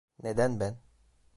Neden ben?